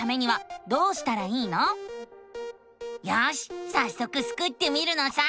よしさっそくスクってみるのさ！